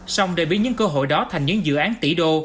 xong để biến những cơ hội đó thành những dự án tỷ đô